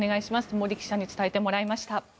森記者に伝えてもらいました。